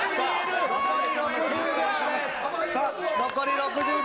残り６０秒。